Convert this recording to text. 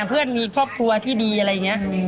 เพื่อนมีครอบครัวที่ดีอะไรอย่างนี้